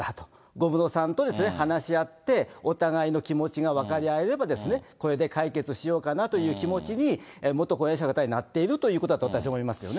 小室さんと話し合って、お互いの気持ちが分かり合えれば、これで解決しようかなという気持ちに元婚約者の方がなっているということだと、私は思いますよね。